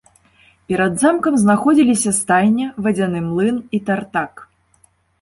Перад замкам знаходзіліся стайня, вадзяны млын і тартак.